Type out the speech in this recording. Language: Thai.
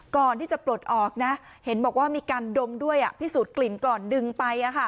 ก่อนที่จะปลดออกนะเห็นบอกว่ามีการดมด้วยพิสูจน์กลิ่นก่อนดึงไป